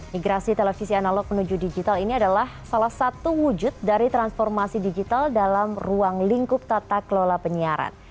migrasi televisi analog menuju digital ini adalah salah satu wujud dari transformasi digital dalam ruang lingkup tata kelola penyiaran